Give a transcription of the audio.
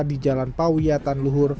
di jalan pawiya tanluhur